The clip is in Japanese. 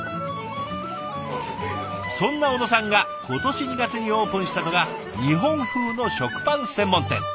そんな小野さんが今年２月にオープンしたのが日本風の食パン専門店。